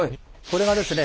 これがですね